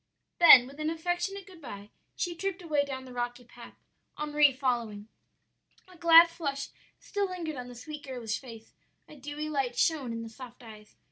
"Then with an affectionate good by, she tripped away down the rocky path, Henri following. "A glad flush still lingered on the sweet, girlish face, a dewy light shone in the soft eyes.